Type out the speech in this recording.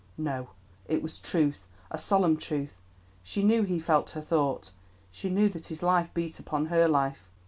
No, it was truth, a solemn truth; she knew he felt her thought, she knew that his life beat upon her life.